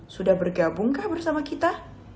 sudah bergabungkah bersama kita